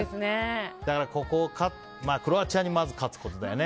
ここを、クロアチアにまず勝つことだよね。